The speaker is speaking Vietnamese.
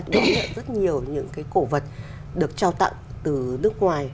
đối với rất nhiều những cái cổ vật được trao tặng từ nước ngoài